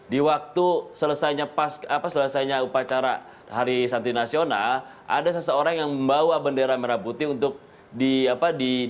di waktu selesainya pas apa selesainya upacara hari santri nasional ada seseorang yang membawa bendera merah putih untuk di apa di di dikembangkan